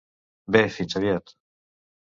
Bé, fins aviat.